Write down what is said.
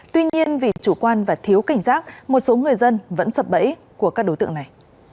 tuy nhiên vì chủ quan và thiếu cảnh giác một số người dân vẫn sập bẫy của các đối tượng này